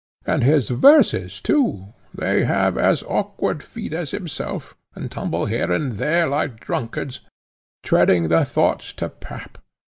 And his verses, too! they have as awkward feet as himself, and tumble here and there, like drunkards, treading the thoughts to pap.